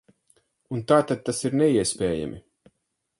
Un tātad tas ir neiespējami.